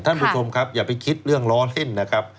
ท่านผู้ชมครับอย่าไปคิดเรื่องล้อเล่นนะครับ